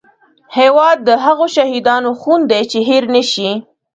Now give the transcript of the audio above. هیواد د هغو شهیدانو خون دی چې هېر نه شي